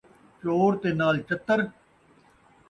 چور تے نال چتّر